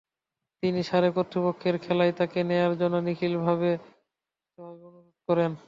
তিনি সারে কর্তৃপক্ষকে খেলায় তাকে নেয়ার জন্যে লিখিতভাবে অনুরোধ করেন।